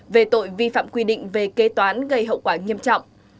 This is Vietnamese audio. về tội vi phạm quy định về kế toán gây hậu quả nghiêm trọng